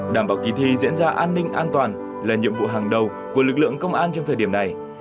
đảm bảo kỳ thi diễn ra an ninh an toàn là nhiệm vụ hàng đầu của lực lượng công an trong thời điểm này